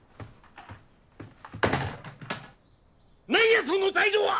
何やその態度は！